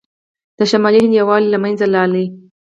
د شمالي هند یووالی له منځه لاړ.